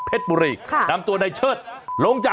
ขอบคุณครับขอบคุณครับ